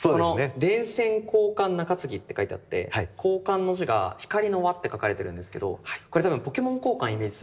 「電線光環中次」って書いてあって「交換」の字が「光」の「環」って書かれてるんですけどこれ多分ポケモン交換イメージされてますよね。